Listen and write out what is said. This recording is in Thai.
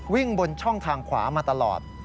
วิ่งบนช่องทางขวามาตลอด